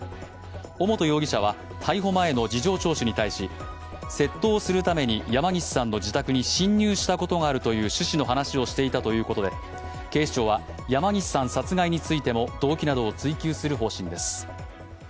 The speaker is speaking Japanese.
尾本容疑者は逮捕前の事情聴取に対し窃盗するために山岸さんの自宅に侵入したことがあるという趣旨の話をしていたということで、警視庁は山岸さん殺害についても同期などを追及する方針です。